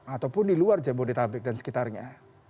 ataupun di luar jabodetabek dan sekitarnya